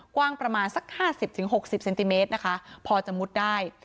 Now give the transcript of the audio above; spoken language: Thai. กว้างประมาณสักห้าสิบถึงหกสิบเซนติเมตรนะคะพอจะมุดได้